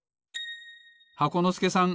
箱のすけさん